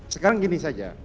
sekarang gini saja